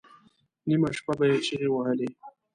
نیمه شپه به یې چیغې وهلې.